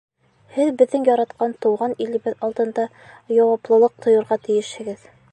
Һеҙ беҙҙең яратҡан Тыуған илебеҙ алдында яуаплылыҡ тойорға тейешһегеҙ!